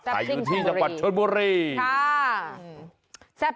ไข่อยู่ที่จังหวัดชนบุรีค่ะจ๊ะซิ่งชนบุรี